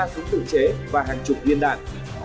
ba súng tử chế và hàng chục viên đạn